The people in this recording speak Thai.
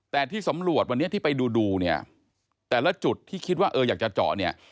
แต่ที่สำรวจวันนี้ที่ไปดูดูเนี่ยแต่ละจุดที่คิดว่าเอออยากจะเจาะเนี่ย